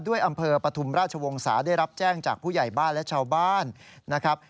อำเภอปฐุมราชวงศาได้รับแจ้งจากผู้ใหญ่บ้านและชาวบ้านนะครับ